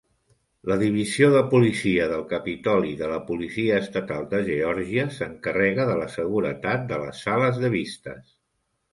La divisió de policia del Capitoli de la Policia Estatal de Georgia s'encarrega de la seguretat de les sales de vistes.